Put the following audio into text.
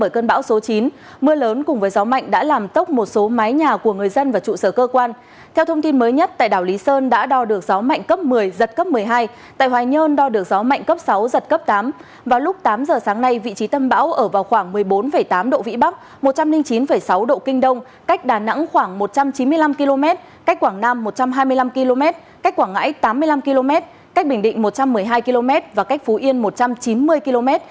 cách quảng nam một trăm hai mươi năm km cách quảng ngãi tám mươi năm km cách bình định một trăm một mươi hai km và cách phú yên một trăm chín mươi km